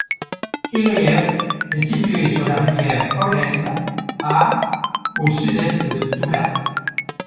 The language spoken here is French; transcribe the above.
Kireïevsk est située sur la rivière Olen, à au sud-est de Toula.